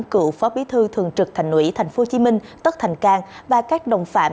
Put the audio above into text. cựu phó bí thư thường trực thành ủy tp hcm tất thành cang và các đồng phạm